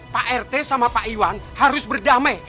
pak rt sama pak iwan harus berdamai